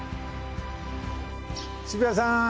渋谷さん。